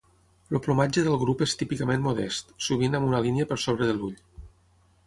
El plomatge del grup és típicament modest, sovint amb una línia per sobre de l'ull.